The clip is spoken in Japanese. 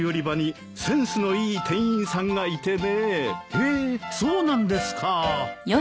へえそうなんですか。